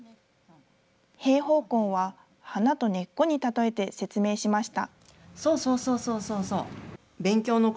平方根は花と根っこに例えて説明しました。